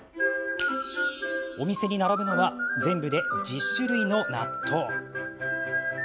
お店に並ぶのは全部で１０種類の納豆。